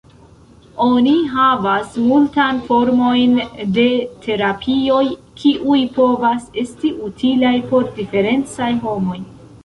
Oni havas multan formojn de terapioj, kiuj povas esti utilaj por diferencaj homoj.